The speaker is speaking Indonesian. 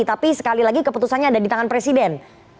tapi sekali lagi keputusannya ada di tangan presiden